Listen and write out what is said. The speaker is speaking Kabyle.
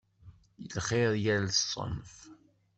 Lxir yal ṣṣenf.